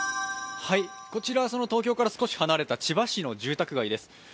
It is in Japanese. こちらは東京から少し離れた千葉市の住宅街です。